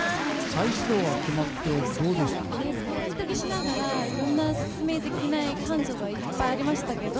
ドキドキしながらいろんな説明できない感情がいっぱいありましたけど。